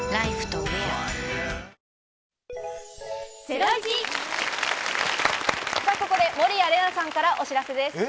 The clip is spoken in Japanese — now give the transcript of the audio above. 来週は、ここで守屋麗奈さんからお知らせです。